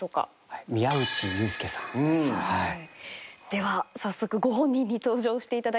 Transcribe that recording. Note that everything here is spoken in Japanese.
では早速ご本人に登場していただきましょう。